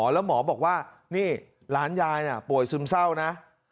แล้วหมอบอกว่านี่หลานยายป่วยซึมเศร้านะ